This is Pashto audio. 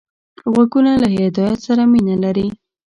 غوږونه له هدایت سره مینه لري